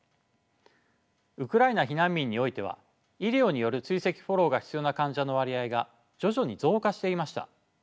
ウクライナ避難民においては医療による追跡フォローが必要な患者の割合が徐々に増加していました。